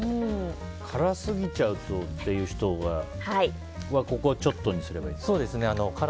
辛すぎちゃうとっていう人はここはちょっとにすればいいですか。